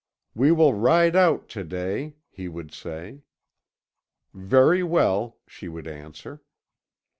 "'We will ride out to day,' he would say. "'Very well,' she would answer.